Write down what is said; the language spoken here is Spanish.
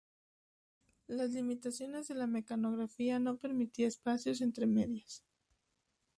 Las limitaciones de la mecanografía no permitía espacios entre medias.